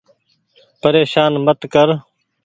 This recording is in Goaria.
پريشان مت ڪر ۔